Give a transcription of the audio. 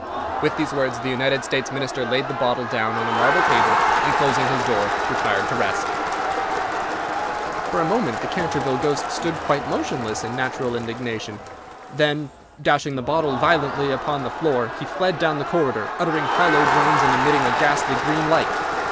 With these words the United States Minister laid the bottle down on a marble table, and, closing his door, retired to rest. [Illustration: "I REALLY MUST INSIST ON YOUR OILING THOSE CHAINS"] For a moment the Canterville ghost stood quite motionless in natural indignation; then, dashing the bottle violently upon the polished floor, he fled down the corridor, uttering hollow groans, and emitting a ghastly green light.